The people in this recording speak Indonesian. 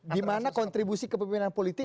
dimana kontribusi kepemimpinan politik